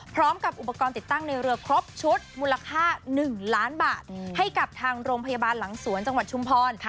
พร้อมกับอุปกรณ์ติดตั้งในเรือครบชุดมูลค่า๑ล้านบาทให้กับทางโรงพยาบาลหลังสวนจังหวัดชุมพร